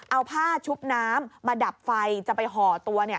เอาผ้าชุบน้ำมาดับไฟจะไปห่อตัว